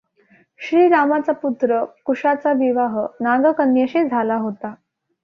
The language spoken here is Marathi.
श्रीरामाचा पुत्र कुशाचा विवाह नागकन्येशी झाला होता.